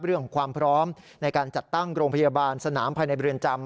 เรื่องของความพร้อมในการจัดตั้งโรงพยาบาลสนามภายในเรือนจำ